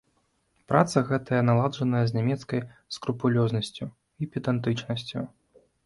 Праца гэтая наладжаная з нямецкай скрупулёзнасцю і педантычнасцю.